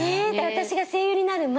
私が声優になる前。